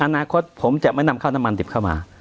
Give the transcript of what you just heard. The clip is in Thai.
อนาคตผมจะไม่นำข้าวน้ำมันดิบเข้ามา